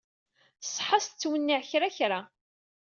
Ṣṣeḥḥa-s tettwenniɛ kra kra.